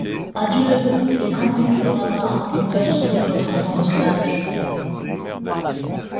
Adieu ! et trempez-le dans la mare, pour le baptiser, votre enfant de sauvages !